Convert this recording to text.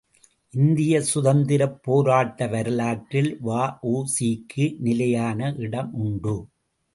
இந்திய சுதந்திரப் போராட்ட வரலாற்றில் வ.உ.சி.க்கு நிலையான இடம் உண்டு.